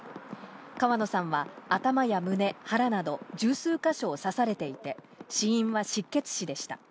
川野さんは頭や胸、腹など十数か所を刺されていて、死因は失血死でした。